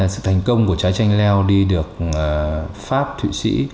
sự thành công của trái tranh leo đi được pháp thụy sĩ